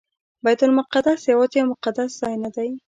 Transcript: بیت المقدس یوازې یو مقدس ځای نه.